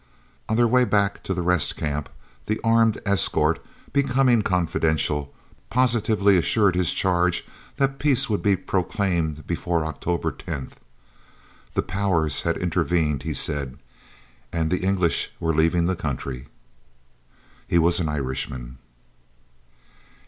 On their way back to the Rest Camp the armed escort, becoming confidential, positively assured his charge that peace would be proclaimed before October 10th. The "Powers" had intervened, he said, and the English were leaving the country! He was an Irishman.